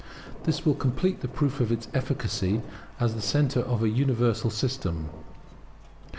This will complete the proof of its efficacy as the centre of a universal system.